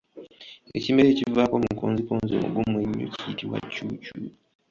Ekimera ekivaako mukonzikonzi omugumu ennyo kiyitibwa Ccuucu